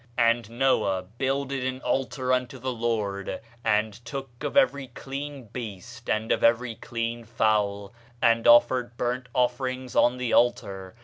"And Noah builded an altar unto the Lord; and took of every clean beast, and of every clean fowl, and offered burnt offerings on the altar.